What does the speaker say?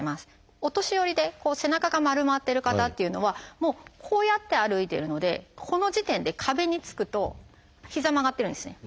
お年寄りで背中が丸まってる方っていうのはこうやって歩いてるのでこの時点で壁につくと膝曲がってるんですね。